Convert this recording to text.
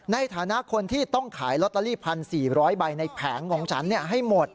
ในฐานะคนที่ต้องขายลอตเตอรี่๑๔๐๐ใบในแผงของฉันให้หมด